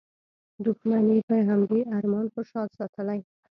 دوښمن یې پر همدې ارمان خوشحال ساتلی.